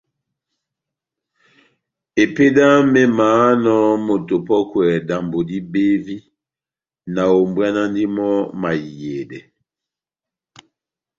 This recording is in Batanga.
Epédi yami émahánɔ moto opɔ́kwɛ dambo dibevi, nahombwanandi mɔ́ mahiyedɛ.